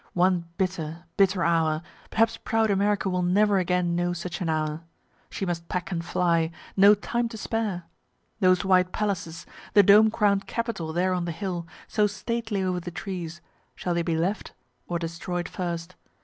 One bitter, bitter hour perhaps proud America will never again know such an hour. She must pack and fly no time to spare. Those white palaces the dome crown'd capitol there on the hill, so stately over the trees shall they be left or destroy'd first?